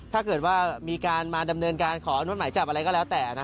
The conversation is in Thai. ถ้าเกิดว่ามีการมาดำเนินการขออนุมัติหมายจับอะไรก็แล้วแต่